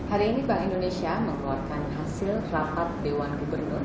hari ini bank indonesia mengeluarkan hasil rapat dewan gubernur